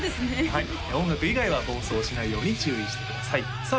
はい音楽以外は暴走しないように注意してくださいさあ